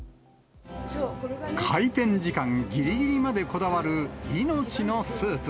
開店時間ぎりぎりまでこだわる命のスープ。